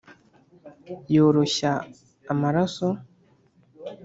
yoroshya amaraso,